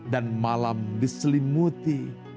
dan malam diselimuti